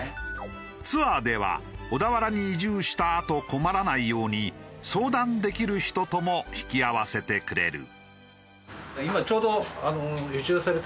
ツアーでは小田原に移住したあと困らないように相談できる人とも引き合わせてくれる。